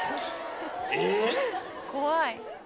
怖い。